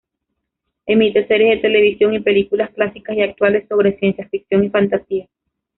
Emite series de televisión y películas clásicas y actuales sobre ciencia ficción y fantasía.